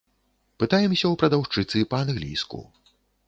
Пытаемся ў прадаўшчыцы па-англійску.